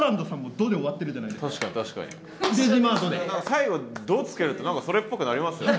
最後「ド」つけると何かそれっぽくなりますよね。